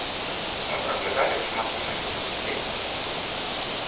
Мы праглядалі шмат таленавітых дзяцей.